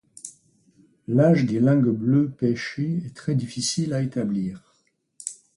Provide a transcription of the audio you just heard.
L'âge des lingues bleues pêchées est très difficile à établir.